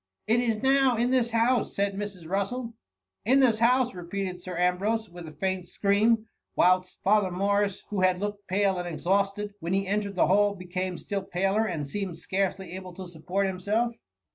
*' It is now in this house,^ said Mrs. Bussel. " In this house !^ repeated Sir Ambrose with a faint scream ; whilst Father Morris, who had looked pale and exhausted when he entered the hall, became still paler, and seemed scarcely able to support himself.